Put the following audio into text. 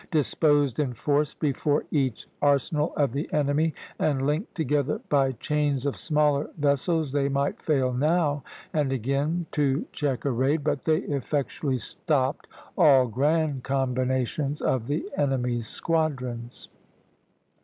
Disposed in force before each arsenal of the enemy, and linked together by chains of smaller vessels, they might fail now and again to check a raid, but they effectually stopped all grand combinations of the enemy's squadrons.